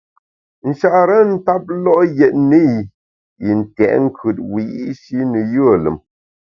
Nchare ntap lo’ yètne yi ntèt nkùt wiyi’shi ne yùe lùm.